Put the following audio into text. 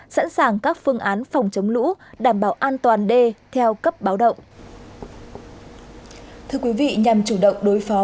sẵn sàng các phương án phòng chống lũ đảm bảo an toàn đê theo cấp báo động